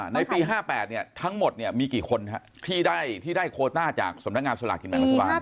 ในปี๕๘ทั้งหมดมีกี่คนที่ได้โคต้าจากสำนักงานสลากกินแบ่งรัฐบาล